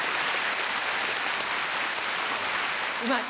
うまい！